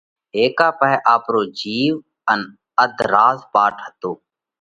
هيڪئہ پاهئہ آپرو جِيو ان اڌ راز پاٽ هتو